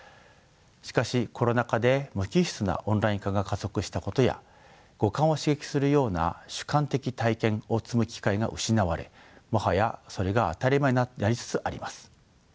しかしコロナ禍で無機質なオンライン化が加速したことや五感を刺激するような主観的体験を積む機会が失われもはやそれが当たり前になりつつあります。